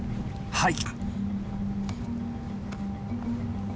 はい。